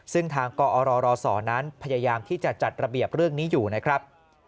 ซึ่งทางกอรศนั้นพยายามที่จะจัดระเบียบเรื่องนี้อยู่นะครับ